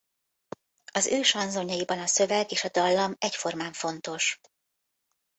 Az ő sanzonjaiban a szöveg és a dallam egyformán fontos.